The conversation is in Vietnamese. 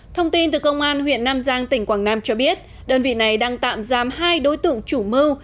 thông tin từ công an huyện nam giang tỉnh quảng nam cho biết đơn vị này đang tạm giam hai đối tượng chủ mưu